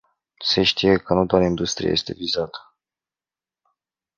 Se știe că nu doar industria este vizată.